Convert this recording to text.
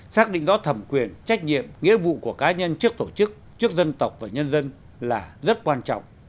xác định rõ thẩm quyền trách nhiệm nghĩa vụ của cá nhân trước tổ chức trước dân tộc và nhân dân là rất quan trọng